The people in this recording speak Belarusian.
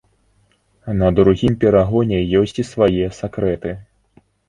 На другім перагоне ёсць і свае сакрэты.